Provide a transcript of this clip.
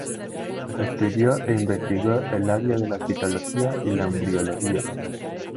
Estudió e investigó el área de la citología y la embriología.